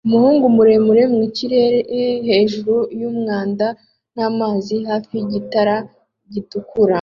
Umuhungu muremure mwikirere hejuru yumwanda namazi hafi yigitare gitukura